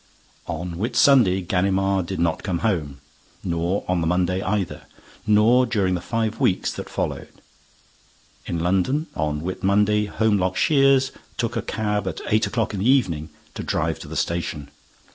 On Whit Sunday, Ganimard did not come home, nor on the Monday either, nor during the five weeks that followed. In London, on Whit Monday, Holmlock Shears took a cab at eight o'clock in the evening to drive to the station.